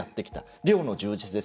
量の充実です。